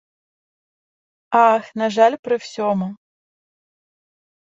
Ах, на жаль, при всьому.